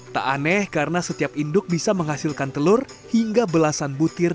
tak aneh karena setiap induk bisa menghasilkan telur hingga belasan butir